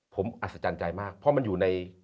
ผมอัศจรรย์ใจมากเพราะมันอยู่ใน